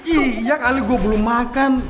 iya kali gua belom makan